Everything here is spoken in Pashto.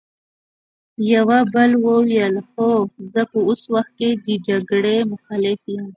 يوه بل وويل: خو زه په اوس وخت کې د جګړې مخالف يم!